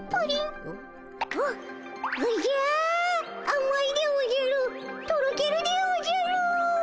あまいでおじゃるとろけるでおじゃる！